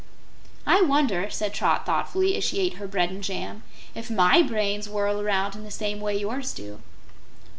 "I wonder," said Trot thoughtfully, as she ate her bread and jam, "if MY brains whirl around in the same way yours do."